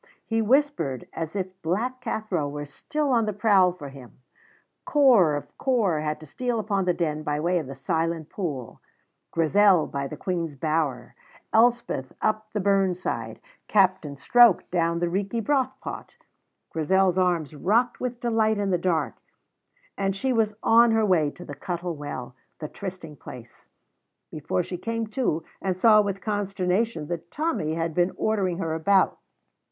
He whispered, as if Black Cathro were still on the prowl for him. Corp of Corp had to steal upon the Den by way of the Silent Pool, Grizel by the Queen's Bower, Elspeth up the burn side, Captain Stroke down the Reekie Brothpot. Grizel's arms rocked with delight in the dark, and she was on her way to the Cuttle Well, the trysting place, before she came to and saw with consternation that Tommy had been ordering her about.